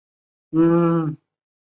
他们通常骑自行车工作。